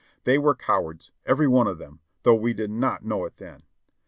They were cowards, every one of them, though we did not know it then.